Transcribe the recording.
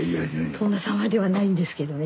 殿様ではないんですけどね。